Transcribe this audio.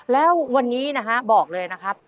แล้ววันนี้นะฮะบอกเลยนะครับ